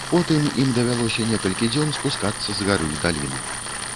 Потым ім давялося некалькі дзён спускацца з гары ў даліну.